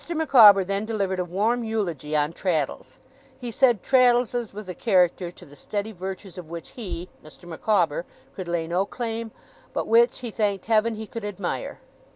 Micawber then delivered a warm eulogy on Traddles. He said Traddles's was a character, to the steady virtues of which he (Mr. Micawber) could lay no claim, but which, he thanked Heaven, he could admire.